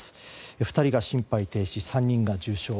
２人が心肺停止３人が重傷。